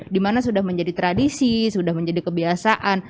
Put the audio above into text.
dimana sudah menjadi tradisi sudah menjadi kebiasaan